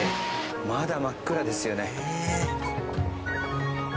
まだ真っ暗ですよね。